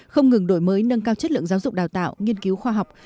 không ngừng đổi mới nâng cao chất lượng giáo dục đào tạo nghiên cứu khoa học